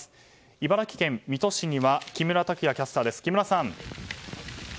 茨城県水戸市には木村拓也キャスターです。